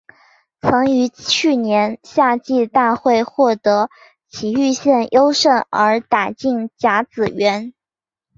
曾于去年夏季大会获得崎玉县优胜而打进甲子园。